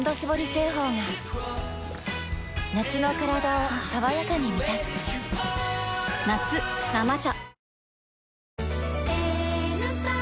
製法が夏のカラダを爽やかに満たす夏「生茶」